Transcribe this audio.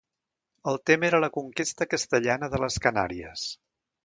El tema era la conquesta castellana de les Canàries.